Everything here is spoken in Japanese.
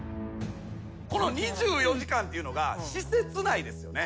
この２４時間っていうのが施設内ですよね。